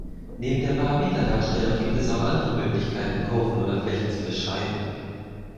Neben der Parameterdarstellung gibt es auch andere Möglichkeiten, Kurven oder Flächen zu beschreiben.